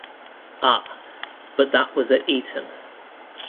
Ah, but that was at Eton.